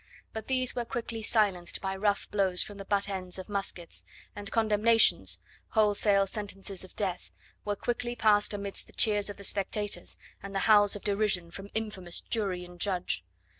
But these were quickly silenced by rough blows from the butt ends of muskets, and condemnations wholesale sentences of death were quickly passed amidst the cheers of the spectators and the howls of derision from infamous jury and judge.